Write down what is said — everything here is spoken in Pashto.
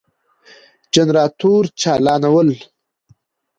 جنراتور چالانول ،